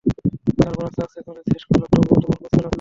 তারপর আস্তে আস্তে কলেজ শেষ করলাম, তবুও তোমার খোঁজ পেলাম না।